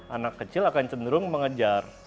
anak kecil akan cenderung mengejar